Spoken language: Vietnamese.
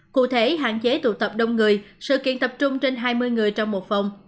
cụ thể hạn chế tụ tập đông người sự kiện tập trung trên hai mươi người trong một phòng